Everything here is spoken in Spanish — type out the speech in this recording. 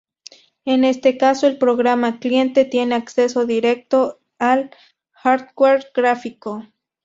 En este caso, el programa cliente tiene acceso directo al hardware gráfico.